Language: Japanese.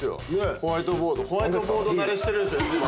ホワイトボード慣れしてるでしょ一番。